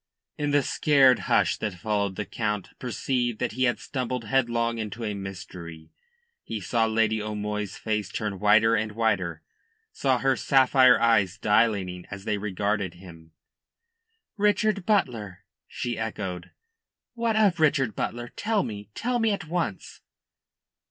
In the scared hush that followed the Count perceived that he had stumbled headlong into a mystery. He saw Lady O'Moy's face turn whiter and whiter, saw her sapphire eyes dilating as they regarded him. "Richard Butler!" she echoed. "What of Richard Butler? Tell me. Tell me at once."